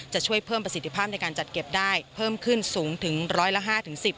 จะช่วยเพิ่มประสิทธิภาพในการจัดเก็บได้เพิ่มขึ้นสูงถึงร้อยละ๕๑๐